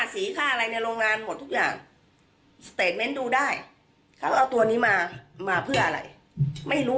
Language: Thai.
สีค่าอะไรในโรงงานหมดทุกอย่างสเตจเมนต์ดูได้เขาเอาตัวนี้มามาเพื่ออะไรไม่รู้